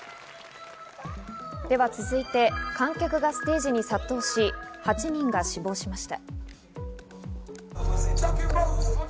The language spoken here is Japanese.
では続いて、観客がステージに殺到し、８人が死亡しました。